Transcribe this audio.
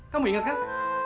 kamu inget kan